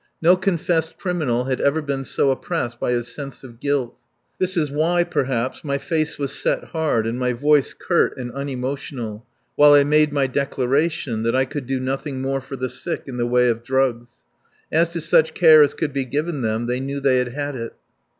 No confessed criminal had ever been so oppressed by his sense of guilt. This is why, perhaps, my face was set hard and my voice curt and unemotional while I made my declaration that I could do nothing more for the sick in the way of drugs. As to such care as could be given them they knew they had had it.